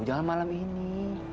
jangan malam ini